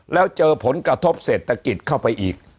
แล้วเจอผลกระทบเศรษฐกิจเข้าไปอีก